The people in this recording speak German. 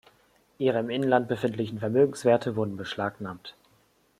Ihre im Inland befindlichen Vermögenswerte wurden beschlagnahmt.